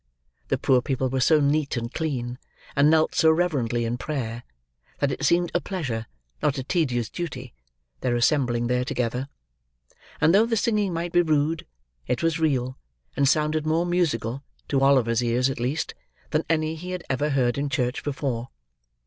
The poor people were so neat and clean, and knelt so reverently in prayer, that it seemed a pleasure, not a tedious duty, their assembling there together; and though the singing might be rude, it was real, and sounded more musical (to Oliver's ears at least) than any he had ever heard in church before.